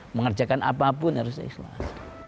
menggerjakan apapun harus ikhlas